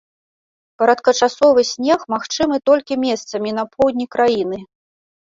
Кароткачасовы снег магчымы толькі месцамі на поўдні краіны.